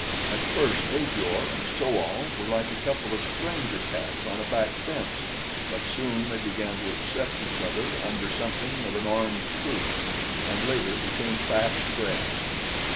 At first Ajor and So al were like a couple of stranger cats on a back fence but soon they began to accept each other under something of an armed truce, and later became fast friends.